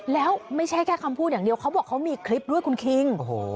แล้วไม่ใช่แค่คำพูดอย่างเดียวเขาบอกเขามีคลิปด้วยคุณคิง